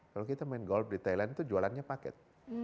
kalau kita main golf di thailand itu jualannya paket